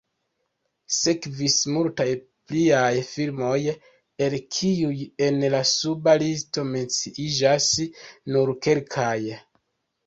Sekvis multaj pliaj filmoj, el kiuj en la suba listo menciiĝas nur kelkaj.